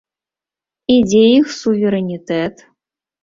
І дзе іх суверэнітэт?